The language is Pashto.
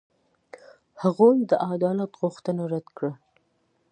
هغوی د عدالت غوښتنه رد کړه.